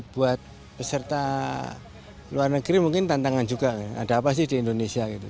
buat peserta luar negeri mungkin tantangan juga ada apa sih di indonesia gitu